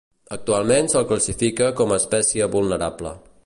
Actualment se'l classifica com a espècie vulnerable.